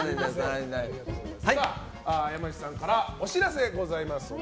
山内さんからお知らせがございます。